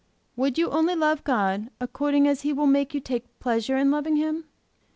Would you only love God according as He will make you take pleasure in loving Him?